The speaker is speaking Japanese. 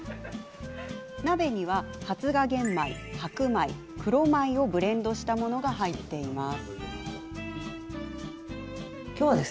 鍋には、発芽玄米、白米、黒米をブレンドしたものが入っています。